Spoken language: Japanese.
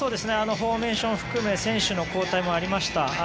フォーメーション含め選手の交代もありました。